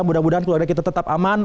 mudah mudahan keluarga kita tetap aman